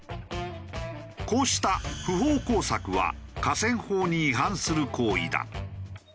こうした不法耕作は河川法に違反する行為だ。